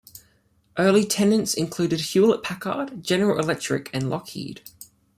Early tenants included Hewlett-Packard, General Electric, and Lockheed.